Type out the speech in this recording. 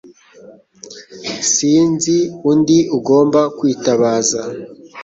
Sinzi undi ugomba kwitabaza